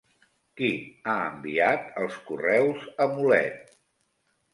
Qui ha enviat els correus a Mulet?